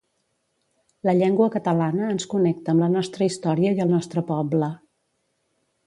La llengua catalana ens connecta amb la nostra història i el nostre poble.